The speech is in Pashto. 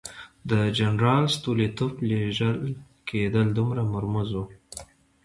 د جنرال ستولیتوف لېږل کېدل دومره مرموز وو.